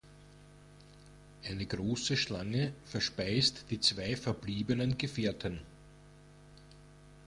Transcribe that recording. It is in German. Eine große Schlange verspeist die zwei verbliebenen Gefährten.